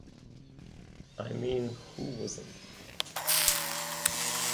I mean who wasn't?